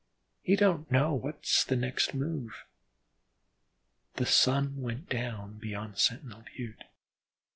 He don't know what's the next move." The sun went down beyond Sentinel Butte.